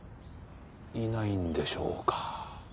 いないんでしょうか。